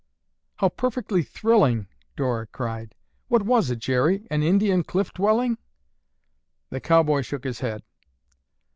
"How perfectly thrilling!" Dora cried. "What was it, Jerry, an Indian cliff dwelling?" The cowboy shook his head.